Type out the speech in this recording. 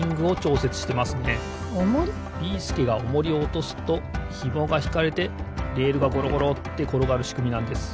ビーすけがオモリをおとすとひもがひかれてレールがゴロゴロってころがるしくみなんです。